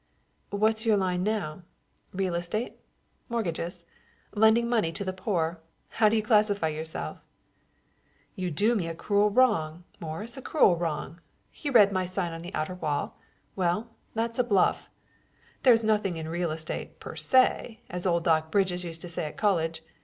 "What's your line now? Real estate, mortgages, lending money to the poor? How do you classify yourself?" "You do me a cruel wrong, Morris, a cruel wrong. You read my sign on the outer wall? Well, that's a bluff. There's nothing in real estate, per se, as old Doc Bridges used to say at college.